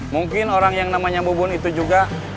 mungkin orang yang namanya bubun itu juga